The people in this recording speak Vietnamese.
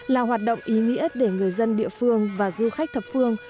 là hoạt động ý nghĩa để người dân địa phương và du khách thập phương